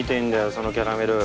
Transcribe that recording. そのキャラメル。